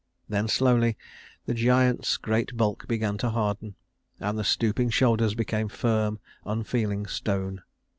Then slowly the giant's great bulk began to harden, and the stooping shoulders became firm, unfeeling stone.